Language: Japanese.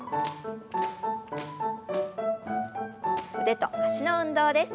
腕と脚の運動です。